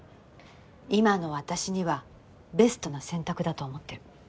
今の私にはベストな選択だと思ってる。